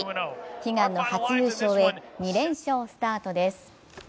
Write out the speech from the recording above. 悲願の初優勝へ２連勝スタートです。